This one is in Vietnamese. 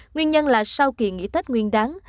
nguyên nhân là sau kỳ nghỉ tết nguyên đáng